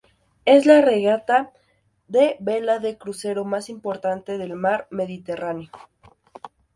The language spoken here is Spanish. Es la regata de vela de crucero más importante del mar Mediterráneo.